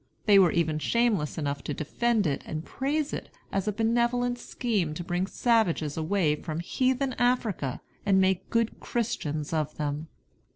They were even shameless enough to defend it and praise it as a benevolent scheme to bring savages away from heathen Africa and make good Christians of them.